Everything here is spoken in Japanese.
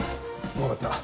分かった。